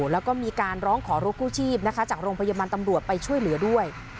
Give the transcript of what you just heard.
แล้วก็มีการร้องขอรถกู้ชีพจากโรงพยาบาลตำรวจไปช่วยเหลือด้วย